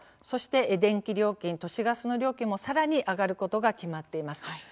そして電気料金、都市ガスの料金も、さらに上がることが決まっています。